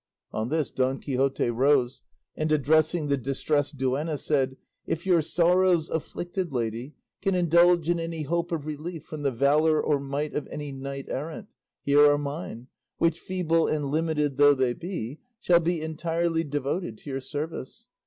On this Don Quixote rose, and addressing the Distressed Duenna, said, "If your sorrows, afflicted lady, can indulge in any hope of relief from the valour or might of any knight errant, here are mine, which, feeble and limited though they be, shall be entirely devoted to your service.